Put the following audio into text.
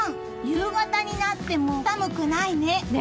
夕方になっても寒くないね。